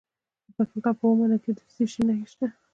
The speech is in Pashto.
د پکتیکا په اومنه کې د څه شي نښې دي؟